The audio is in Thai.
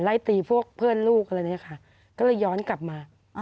ไล่ตีพวกเพื่อนลูกอะไรเนี่ยค่ะก็เลยย้อนกลับมา